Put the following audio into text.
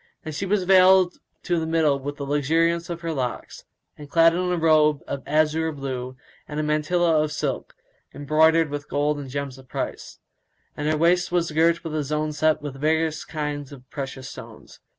And she was veiled to the middle with the luxuriance of her locks, and clad in a robe of azure blue and a mantilla of silk embroidered with gold and gems of price; and her waist was girt with a zone set with various kinds of precious stones.